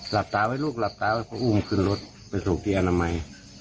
หลับตาไหมลูกหลับตาแล้วก็อุ้มขึ้นรถไปส่งที่อนามัย